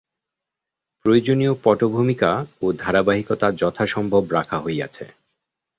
প্রয়োজনীয় পটভূমিকা ও ধারাবাহিকতা যথাসম্ভব রাখা হইয়াছে।